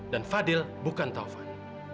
dan fadil bukan taufan